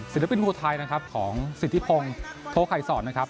ศิลปินครูไทยของสิทธิพงโทคไข่สอนนะครับ